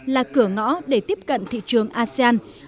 là cửa ngõ để tiếp cận thị trường asean